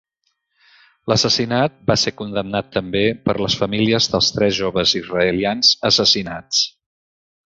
L'assassinat va ser condemnat també per les famílies dels tres joves israelians assassinats.